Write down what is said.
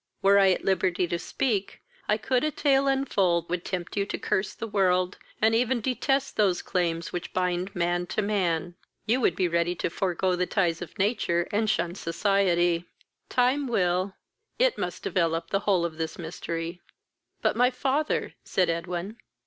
Were I at liberty to speak, I could a tale unfold would tempt you to curse the world, and even detest those claims which bind man to man. You would be ready to forego the ties of nature, and shun society. Time will, it must develop the whole of this mystery." "But my father!" said Edwin.